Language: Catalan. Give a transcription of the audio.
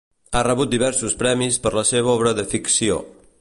Ha rebut diversos premis per la seva obra de ficció.